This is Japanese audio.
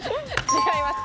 違います。